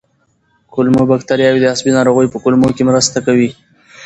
کولمو بکتریاوې د عصبي ناروغیو په کمولو کې مرسته کوي.